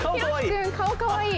顔かわいい！